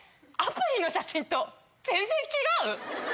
アプリの写真と全然違う？